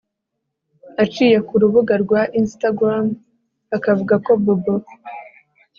aciye ku rubuga rwa instagram, akavuga ko bobo